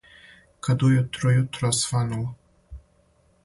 Кад ујутру јутро освануло,